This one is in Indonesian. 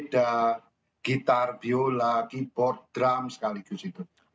ada gitar viola keyboard drum sekaligus itu